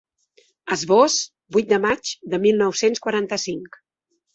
Esbós: vuit de maig de mil nou-cents quaranta-cinc.